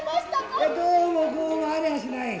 どうもこうもありゃしない。